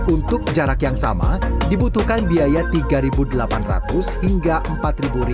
untuk jarak yang sama dibutuhkan biaya rp tiga delapan ratus hingga rp empat